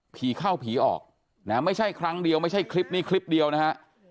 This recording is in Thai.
ผีเข้าผีออกนะไม่ใช่ครั้งเดียวไม่ใช่คลิปนี้คลิปเดียวนะฮะ